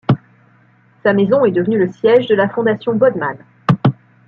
Sa maison est devenue le siège de la fondation Bodman.